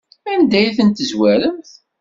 Anda ay tent-tezwaremt?